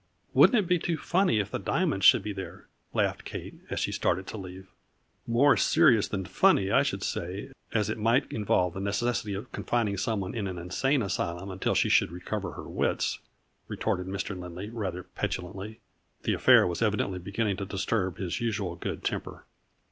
" Wouldn't it be too funny if the diamonds should be there ?" laughed Kate, as she started to leave. " More serious than funny I should say, as it A FLURRY IN DIAMONDS. 73 might involve the necessity of confining some one in an insane asylum until she should recover her wits," retorted Mr. Lindley rather petu lantly. The affair was evidently beginning to disturb his usual good temper.